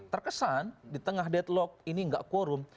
terkesan di tengah deadlock ini tidak quorum